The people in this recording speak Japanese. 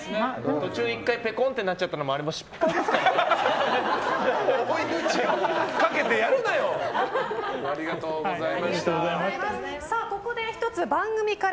途中１回ぺこんってなったのもあれもう失敗ですから。